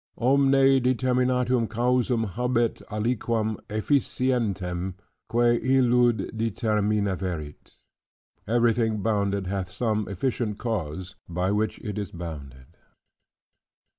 "Omne determinatum causam habet aliquam efficientem, quae illud determinaverit:" "Everything bounded hath some efficient cause, by which it is bounded."